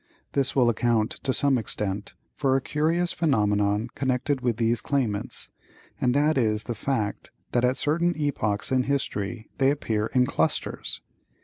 This will account, to some extent, for a curious phenomenon connected with these claimants, and that is the fact that at certain epochs in history they appear in clusters.